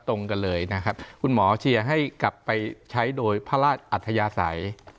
ตรงกันเลยนะครับคุณหมอเชียร์ให้กลับไปใช้โดยพระราชอัธยาศัย